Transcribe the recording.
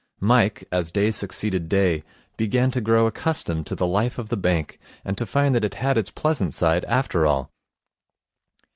Mike, as day succeeded day, began to grow accustomed to the life of the bank, and to find that it had its pleasant side after all.